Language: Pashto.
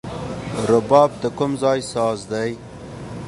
رباب د کوم ځای ساز دی؟